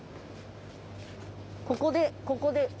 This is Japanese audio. ここでここで。